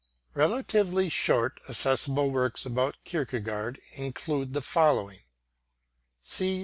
Relatively short, accessible works about Kierkegaard include the following: C.